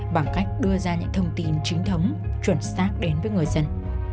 bằng cách đưa ra những thông tin chính thống chuẩn xác đến với người dân